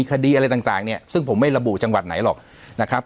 คดีอะไรต่างเนี่ยซึ่งผมไม่ระบุจังหวัดไหนหรอกนะครับ